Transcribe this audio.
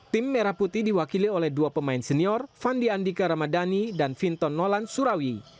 tim merah putih diwakili oleh dua pemain senior fandi andika ramadani dan vinton nolan surawi